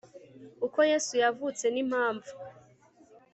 uko yesu yavutse n impamvu